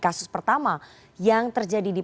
kasus pertama yang terjadi di